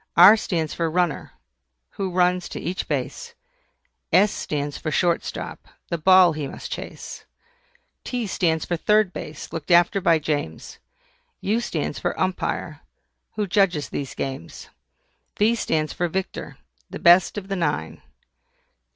R stands for RUNNER, who runs to each base. S stands for SHORT STOP, the ball he must chase. T stands for THIRD BASE, looked after by James. U stands for UMPIRE, who judges these games. V stands for VICTOR, the best of the nine.